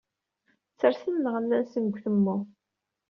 Sersen lɣella-nsen deg utemmu.